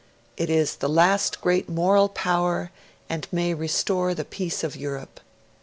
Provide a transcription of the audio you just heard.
It is the last great moral power and may restore the peace of Europe.'